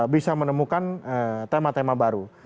bisa menemukan tema tema baru